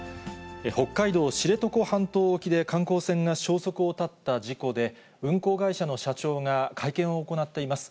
北海道知床半島沖で観光船が消息を絶った事故で、運航会社の社長が会見を行っています。